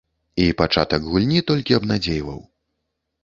І пачатак гульні толькі абнадзейваў.